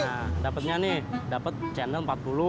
nah dapetnya nih dapet channel empat puluh